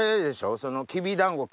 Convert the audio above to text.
そのきびだんご。